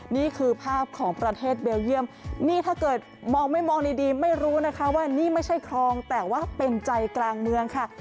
นี่คือภาพของประเทศเบลเยี่ยมนี่ถ้าเกิดมองไม่มองดีไม่รู้นะคะว่านี่ไม่ใช่คลองแต่ว่าเป็นใจกลางเมืองค่ะ